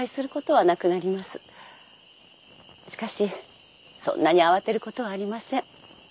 しかしそんなに慌てることはありません。